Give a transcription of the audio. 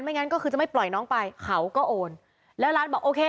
งั้นก็คือจะไม่ปล่อยน้องไปเขาก็โอนแล้วร้านบอกโอเค